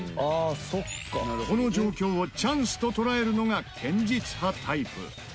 この状況をチャンスと捉えるのが堅実派タイプ。